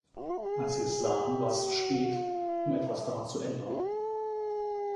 Als sie es sahen, war es zu spät, um etwas daran zu ändern.